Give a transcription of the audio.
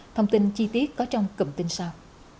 thông tin chi tiết có trong cụm tin sau